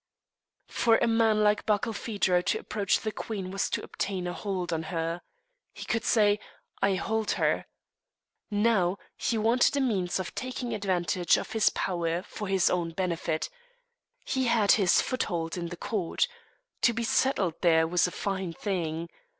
For a man like Barkilphedro to approach the queen was to obtain a hold on her. He could say, "I hold her." Now, he wanted a means of taking advantage of his power for his own benefit. He had his foothold in the court. To be settled there was a fine thing.